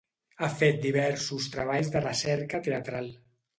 Ha fet diversos treballs de recerca teatral.